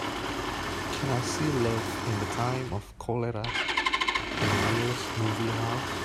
Can I see Love in the Time of Cholera in the nearest movie house